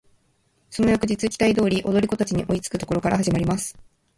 その翌日期待通り踊り子達に追いつく処から始まります。